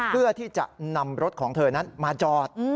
เพื่อที่จะนำรถของเธอนั้นมาจอด